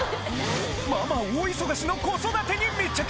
ママ大忙しの子育てに密着！